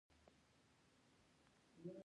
کندهار د احمد شاه بابا کور دی